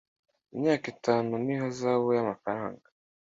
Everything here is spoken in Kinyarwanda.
imyaka itanu n ihazabu y amafaranga